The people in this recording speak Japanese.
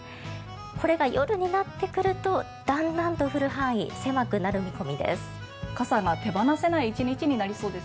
これが夜になってくるとだんだんと降る範囲が狭くなる見込みです。